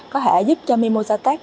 có thể giúp cho mimosa tech